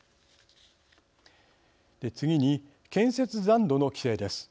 次に建設残土の規制です。